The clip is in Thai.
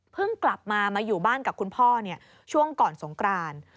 กลับมามาอยู่บ้านกับคุณพ่อช่วงก่อนสงกราน